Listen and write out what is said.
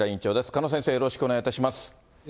鹿野先生、よろしくお願いします。